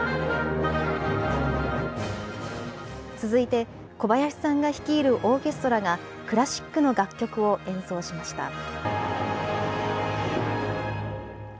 続いて小林さんが率いるオーケストラが、クラシックの楽曲を演奏しました。